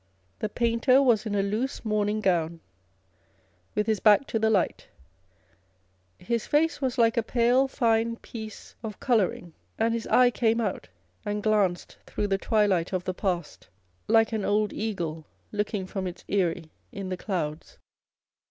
The painter was in a loose morning gown, with his back to the light ; his face was like a pale fine piece of colour ing ; and his eye came out and glanced through the twilight of the past, like an old eagle looking from its eyrie in the clouds.